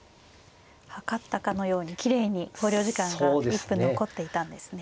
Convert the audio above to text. はかったかのようにきれいに考慮時間が１分残っていたんですね。